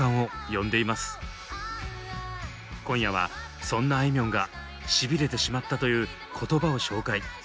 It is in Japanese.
今夜はそんなあいみょんがシビれてしまったという言葉を紹介。